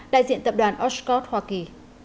đại diện tập đoàn oshkod hoa kỳ